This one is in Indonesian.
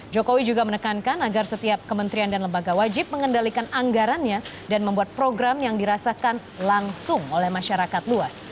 jokowi juga menekankan agar setiap kementerian dan lembaga wajib mengendalikan anggarannya dan membuat program yang dirasakan langsung oleh masyarakat luas